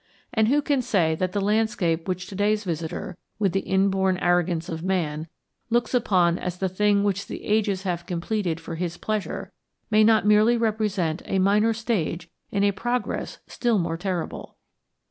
And who can say that the landscape which to day's visitor, with the inborn arrogance of man, looks upon as the thing which the ages have completed for his pleasure, may not merely represent a minor stage in a progress still more terrible?